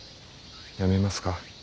やめますか？